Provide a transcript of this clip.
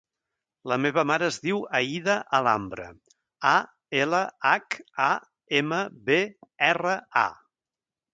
La meva mare es diu Aïda Alhambra: a, ela, hac, a, ema, be, erra, a.